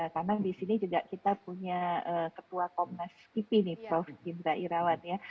karena di sini juga kita punya ketua komnas kipi nih prof indra irawat ya